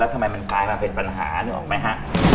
ทำไมมันกลายมาเป็นปัญหานึกออกไหมฮะ